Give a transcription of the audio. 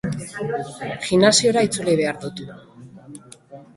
Gimnasiora itzuli behar dut.